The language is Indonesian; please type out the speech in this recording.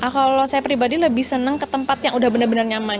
kalau saya pribadi lebih senang ke tempat yang udah benar benar nyaman